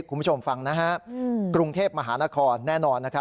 คุณผู้ชมฟังนะฮะกรุงเทพมหานครแน่นอนนะครับ